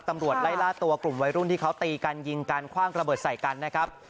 ตำรวจไล่ล่าตัวกลุ่มวัยรุ่นที่เขาตีกันยิงกันคว่างระเบิดใส่กันนะครับ